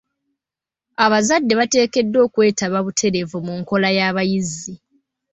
Abazadde bateekeddwa okwetaba butereevu mu nkola y'abayizi.